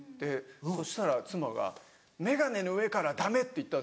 そしたら妻が「メガネの上からはダメ！」って言ったんですよ。